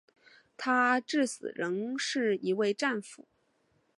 他至死仍是一位战俘。